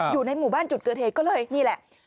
อยู่ในหมู่บ้านจุดเกิดเหตุก็เลยนี่แหละ